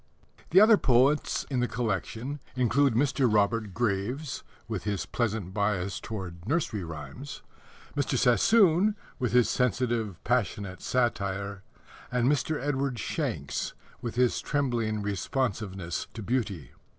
The other poets in the collection include Mr. Robert Graves (with his pleasant bias towards nursery rhymes), Mr. Sassoon (with his sensitive, passionate satire), and Mr. Edward Shanks (with his trembling responsiveness to beauty).